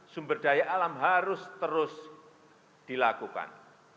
sumber daya alam harus terus dilakukan